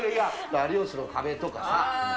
有吉の壁とかさ。